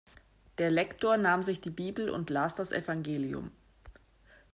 Der Lektor nahm sich die Bibel und las das Evangelium.